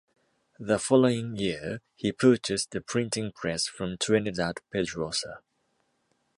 The following year he purchased the printing press from Trinidad Pedroza.